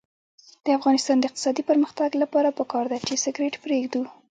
د افغانستان د اقتصادي پرمختګ لپاره پکار ده چې سګرټ پریږدو.